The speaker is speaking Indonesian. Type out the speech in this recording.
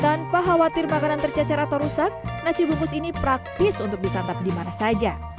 tanpa khawatir makanan tercecer atau rusak nasi bungkus ini praktis untuk disantap di mana saja